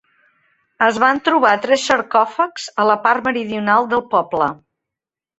Es van trobar tres sarcòfags a la part meridional del poble.